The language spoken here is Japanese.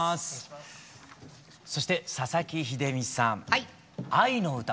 そして佐々木秀実さん「愛の詩」。